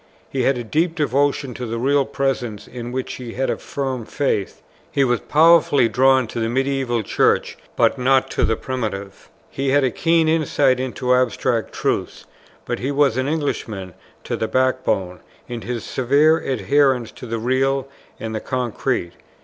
He had a deep devotion to the Real Presence, in which he had a firm faith. He was powerfully drawn to the Medieval Church, but not to the Primitive. He had a keen insight into abstract truth; but he was an Englishman to the backbone in his severe adherence to the real and the concrete.